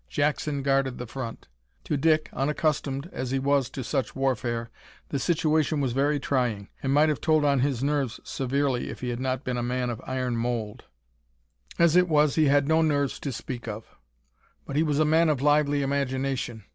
Jackson guarded the front. To Dick, unaccustomed as he was to such warfare, the situation was very trying, and might have told on his nerves severely if he had not been a man of iron mould; as it was, he had no nerves to speak of! But he was a man of lively imagination.